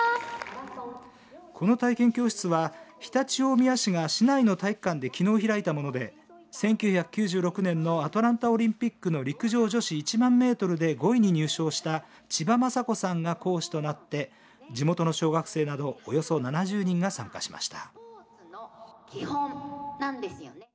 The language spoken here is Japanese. この体験教室は常陸大宮市が市内の体育館できのう開いたもので１９９６年のアトランタオリンピックの陸上女子１万メートルで５位に入賞した千葉真子さんが講師となって地元の小学生などおよそ７０人が参加しました。